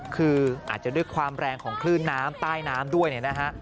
คืออาจจะด้วยความแรงของคลื่นน้ำใต้น้ำด้วยเนี่ยนะฮะ